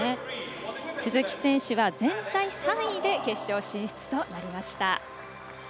鈴木選手は全体３位で決勝進出となりました。